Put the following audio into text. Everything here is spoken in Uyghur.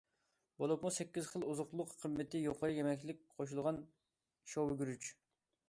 بولۇپمۇ سەككىز خىل ئوزۇقلۇق قىممىتى يۇقىرى يېمەكلىك قوشۇلغان شوۋىگۈرۈچ.